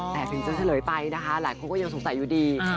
แต่ถึงจะเฉลยไปนะคะหลายคนก็ยังสงสัยอยู่ดี